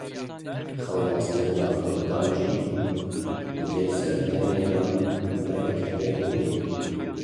Xwenaskirina Kurdan jî di vê serdemê de derdikeve holê.